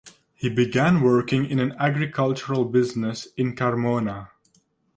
He began working in an agricultural business in Carmona.